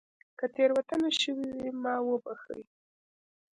که تېروتنه شوې وي ما وبښئ